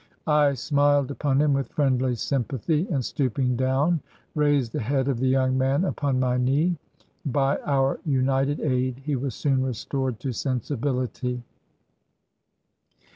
I smiled upon him with friendly sympathy, and, stooping do\vn, raised the head of the young man upon my knee. By our united aid he was soon restored to sensibility.